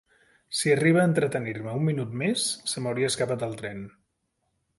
Si arriba a entretenir-me un minut més, se m'hauria escapat el tren.